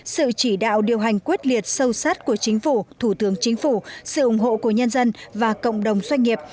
sự chỉ đạo điều hành quyết liệt sâu sát của chính phủ thủ tướng chính phủ sự ủng hộ của nhân dân và cộng đồng doanh nghiệp